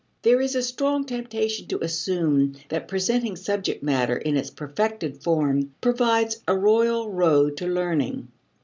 There is a strong temptation to assume that presenting subject matter in its perfected form provides a royal road to learning.